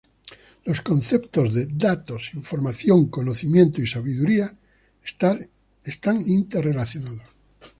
Los conceptos de datos, información, conocimientos y sabiduría están inter-relacionados.